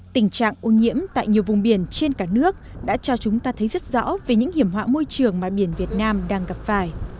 tình trạng ô nhiễm tại nhiều vùng biển trên cả nước đã cho chúng ta thấy rất rõ về những hiểm họa môi trường mà biển việt nam đang gặp phải